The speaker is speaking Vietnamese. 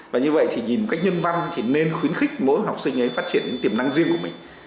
và như vậy thì nhìn một cách nhân văn thì nên khuyến khích mỗi học sinh ấy phát triển những tiềm năng riêng của mình